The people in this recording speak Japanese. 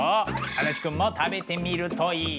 足立くんも食べてみるといい。